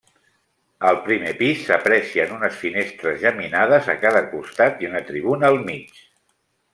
Al primer pis, s'aprecien unes finestres geminades a cada costat i una tribuna al mig.